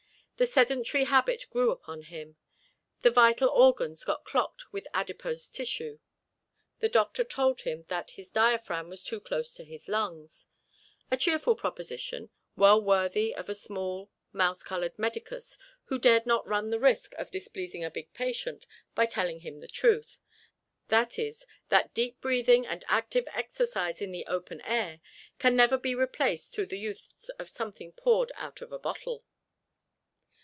The sedentary habit grew upon him; the vital organs got clogged with adipose tissue. The doctor told him that "his diaphragm was too close to his lungs" a cheerful proposition, well worthy of a small, mouse colored medicus who dare not run the risk of displeasing a big patient by telling him the truth, that is, that deep breathing and active exercise in the open air can never be replaced through the use of something poured out of a bottle.